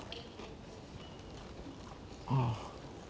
ああ。